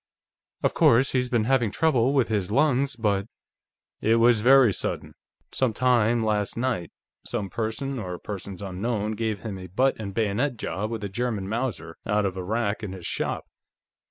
Of course, he's been having trouble with his lungs, but " "It was very sudden. Some time last night, some person or persons unknown gave him a butt and bayonet job with a German Mauser out of a rack in his shop.